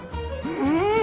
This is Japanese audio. うん。